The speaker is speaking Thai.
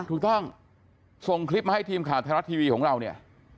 ถูกต้องส่งคลิปมาให้ทีมข่าวไทยรัฐทีวีของเราเนี่ย